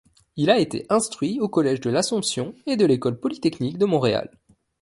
Il a été instruit au Collège de l'Assomption et de l'École Polytechnique de Montréal.